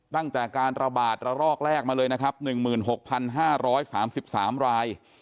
ตั้งแต่การระบาดระลอกแรกมาเลยนะครับ๑๖๕๓๓ราย